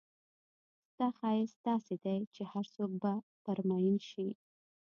ستا ښایست داسې دی چې هرڅوک به پر مئین شي.